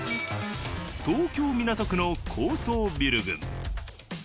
東京港区の高層ビル群。